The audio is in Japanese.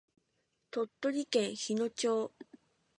鳥取県日野町